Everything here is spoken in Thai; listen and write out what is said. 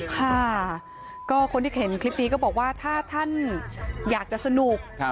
ค่ะก็คนที่เห็นคลิปนี้ก็บอกว่าถ้าท่านอยากจะสนุก